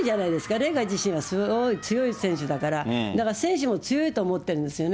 麗華自身がすごい強い選手だから、だから選手も強いと思ってるんですよね。